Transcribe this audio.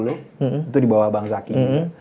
itu dibawah bang zaky